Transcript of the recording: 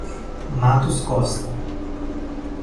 Matos Costa